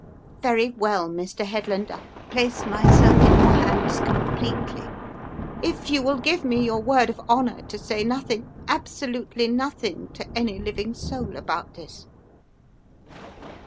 "Very well, Mr. Headland, I place myself in your hands completely, if you will give me your word of honour to say nothing, absolutely nothing, to any living soul about this."